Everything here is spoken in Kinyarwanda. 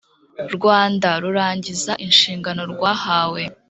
rwanda rurangiza inshingano rwahawe,